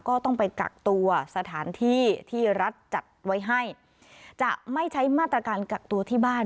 ก็ต้องไปกักตัวสถานที่ที่รัฐจัดไว้ให้จะไม่ใช้มาตรการกักตัวที่บ้าน